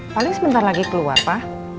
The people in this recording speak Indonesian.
paling sebentar lagi keluar pak